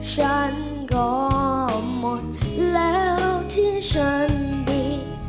ฉันก็หมดแล้วที่ฉันดี